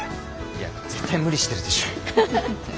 いや絶対無理してるでしょ。